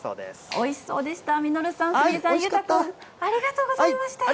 おいしそうでした。